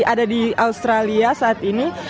ada di australia saat ini